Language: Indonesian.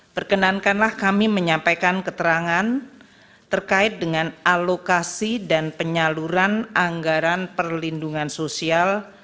perkenankanlah kami menyampaikan keterangan terkait dengan alokasi dan penyaluran anggaran perlindungan sosial